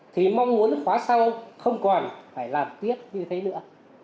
thì mong muốn khóa sau không còn phải làm tiếp như thế nữa